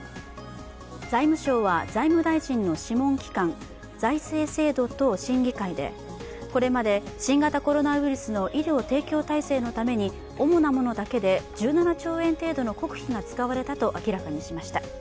財務省は財務大臣の諮問機関、財政制度等審議会でこれまで新型コロナウイルスの医療提供体制のために主なものだけで１７兆円程度の国費が使われたと明らかにしました。